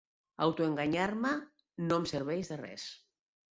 Autoenganyar-me no em serveix de res.